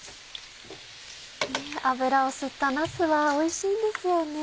油を吸ったなすはおいしいんですよね。